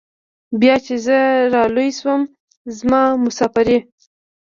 بيا چې زه رالوى سوم زما مسافرۍ.